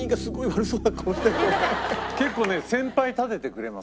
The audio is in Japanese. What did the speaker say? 結構ね先輩立ててくれます。